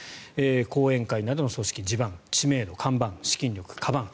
後援会などの組織、地盤知名度、看板資金力、かばん。